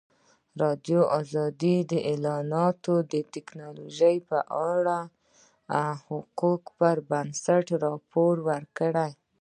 ازادي راډیو د اطلاعاتی تکنالوژي په اړه د حقایقو پر بنسټ راپور خپور کړی.